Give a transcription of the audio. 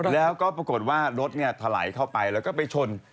แล้วก็ปรากฏว่ารถนายเหล่าไปแล้วก็ไปเฉิน